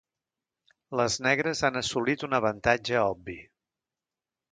Les negres han assolit un avantatge obvi.